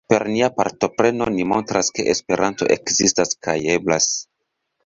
Per nia partopreno, ni montras ke Esperanto ekzistas kaj eblas.